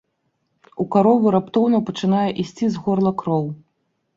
У каровы раптоўна пачынае ісці з горла кроў.